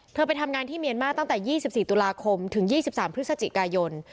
ไปทำงานที่เมียนมาตั้งแต่๒๔ตุลาคมถึง๒๓พฤศจิกายน